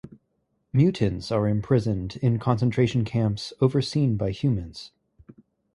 Mutants are imprisoned in concentration camps overseen by humans.